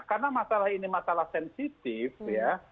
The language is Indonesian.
karena masalah ini masalah sensitif ya